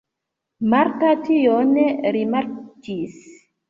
Marta tion rimarkis.